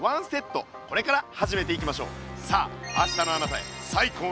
これから始めていきましょう。